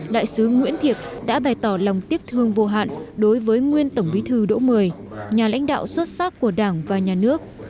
đại sứ nguyễn thiệp đã bày tỏ lòng tiếc thương vô hạn đối với nguyên tổng bí thư đỗ mười nhà lãnh đạo xuất sắc của đảng và nhà nước